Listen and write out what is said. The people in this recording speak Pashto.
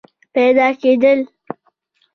پیدا کېدل